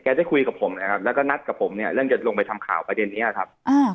ได้คุยกับผมนะครับแล้วก็นัดกับผมเนี่ยเรื่องจะลงไปทำข่าวประเด็นนี้ครับ